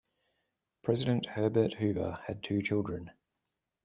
President Herbert Hoover had two children.